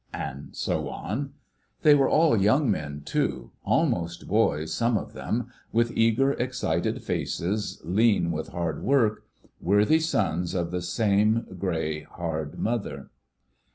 and so on. They were all young men, too: almost boys, some of them, with eager, excited faces, lean with hard work—worthy sons of the same grey, hard Mother.